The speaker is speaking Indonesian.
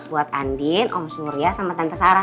buat andin om surya sama tante sarah